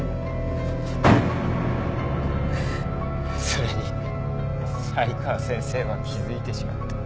それに才川先生は気づいてしまった。